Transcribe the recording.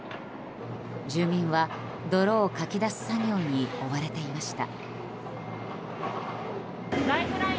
住民は泥をかき出す作業に追われていました。